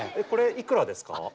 これいくらですか？